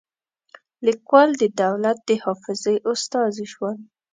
لیکوال د دولت د حافظې استازي شول.